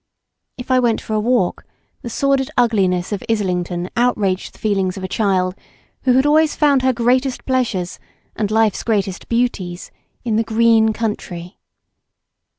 If I went for a walk, the sordid ugliness of Islington outraged the feelings of a child who had always found her greatest pleasures and life's greatest beauties in the green country.